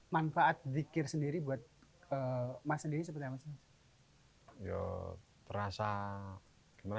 manfaat zikir sendiri buat mas sendiri seperti apa sih